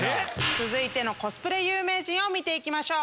続いてのコスプレ有名人を見て行きましょう。